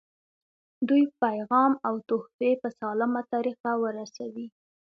دوی پیغام او تحفې په سالمه طریقه ورسوي.